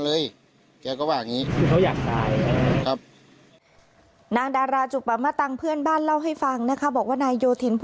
ก็ถือว่าในนะหล่ำใหม่ตะววิ่งมันพื้นมันจะกลัวงางโทน